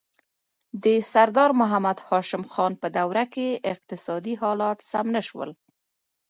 د سردار محمد هاشم خان په دوره کې اقتصادي حالات سم نه شول.